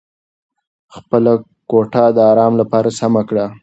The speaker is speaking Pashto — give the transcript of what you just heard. خپله کوټه د ارام لپاره سمه کړه.